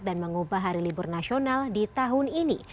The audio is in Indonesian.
dan mengubah hari libur nasional di tahun ini